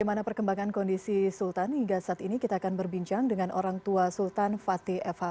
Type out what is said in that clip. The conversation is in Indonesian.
bagaimana perkembangan kondisi sultan hingga saat ini kita akan berbincang dengan orang tua sultan fatih fh